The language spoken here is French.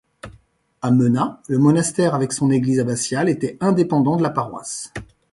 À Menat, le monastère avec son église abbatiale était indépendant de la paroisse.